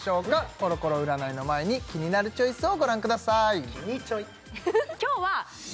コロコロ占いの前に「キニナルチョイス」をご覧ください